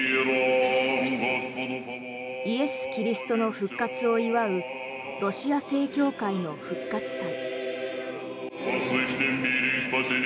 イエス・キリストの復活を祝うロシア正教会の復活祭。